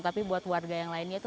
tapi buat warga yang lainnya itu